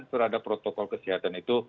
terhadap protokol kesehatan itu